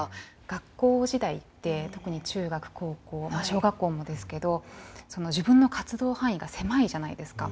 学校時代って特に中学・高校小学校もですけど自分の活動範囲が狭いじゃないですか。